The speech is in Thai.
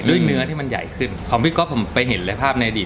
เนื้อที่มันใหญ่ขึ้นของพี่ก๊อฟผมไปเห็นเลยภาพในอดีต